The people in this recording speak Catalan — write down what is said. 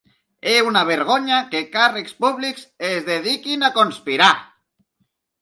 És una vergonya que càrrecs públics es dediquin a conspirar.